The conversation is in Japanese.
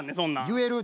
言える？